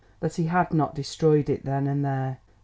that he had not destroyed it then and there.